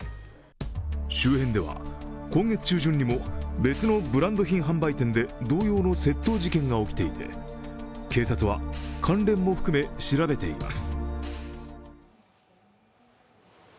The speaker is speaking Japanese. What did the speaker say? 周辺では、今月中旬にも別のブランド品販売店で同様の窃盗事件が起きていて警察は関連も含め調べています。